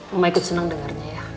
mama ikut senang dengarnya ya